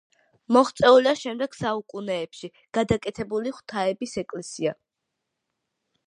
მოღწეულია შემდეგ საუკუნეებში გადაკეთებული ღვთაების ეკლესია.